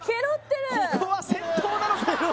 ここは銭湯なのか？